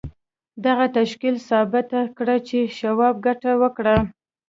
دغه تشکیل ثابته کړه چې شواب ګټه وکړه